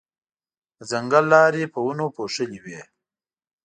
د ځنګل لارې په ونو پوښلې وې.